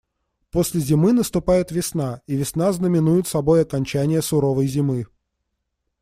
После зимы наступает весна, и весна знаменует собой окончание суровой зимы.